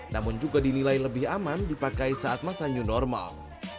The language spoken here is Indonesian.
namun juga dinilai lebih aman dipakai saat masa new normal